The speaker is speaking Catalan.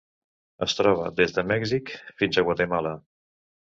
Es troba des de Mèxic fins a Guatemala.